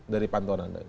dari pantauan anda